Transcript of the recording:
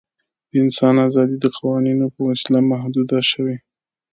د انسان آزادي د قوانینو په وسیله محدوده شوې.